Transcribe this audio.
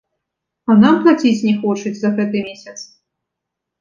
А нам плаціць не хочуць за гэты месяц.